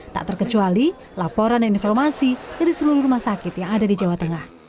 tak terkecuali laporan dan informasi dari seluruh rumah sakit yang ada di jawa tengah